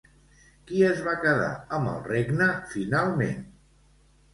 Qui es va quedar amb el regne finalment?